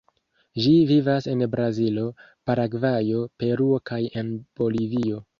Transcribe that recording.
Ĝi vivas en Brazilo, Paragvajo, Peruo kaj en Bolivio.